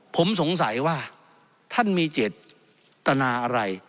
ผมสงสัยว่าท่านมีเจตนาอะไร